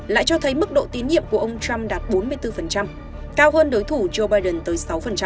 lại cho thấy mức độ tín nhiệm của ông trump đạt bốn mươi bốn cao hơn đối thủ joe biden tới sáu